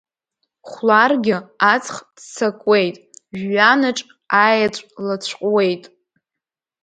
Хәларгьы, аҵх ццакуеит, Жәҩанаҿ аеҵә лацәҟәуеит.